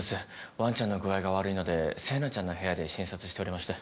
ワンちゃんの具合が悪いので星名ちゃんの部屋で診察しておりまして。